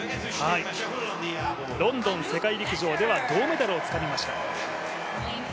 ロンドン世界陸上では銅メダルをつかみました。